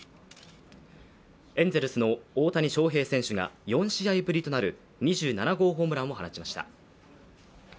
エンゼルスの大谷翔平選手が４試合ぶりとなる２７号ホームランを放ちました。